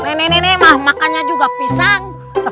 nenek nenek mah makannya juga pisang